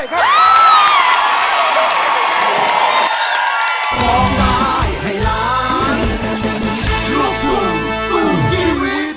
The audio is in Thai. โปรดติดตามตอนต่อไป